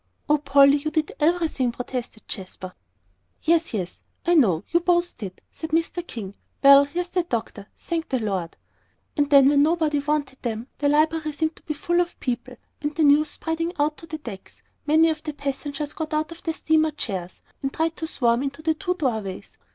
"Oh, Polly, you did everything," protested Jasper. "Yes, yes, I know, you both did," said Mr. King. "Well, here's the doctor, thank the Lord!" And then when nobody wanted them, the library seemed to be full of people, and the news spreading out to the decks, many of the passengers got out of their steamer chairs, and tried to swarm into the two doorways.